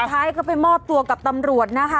ท้ายก็ไปมอบตัวกับตำรวจนะคะ